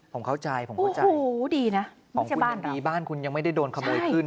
ผมเข้าใจผมเข้าใจโอ้โหดีนะของคุณดีบ้านคุณยังไม่ได้โดนขโมยขึ้น